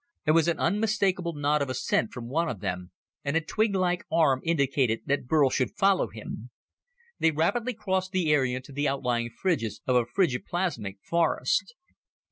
There was an unmistakable nod of assent from one of them, and a twiglike arm indicated that Burl should follow him. They rapidly crossed the area to the outlying fringes of a frigi plasmic forest.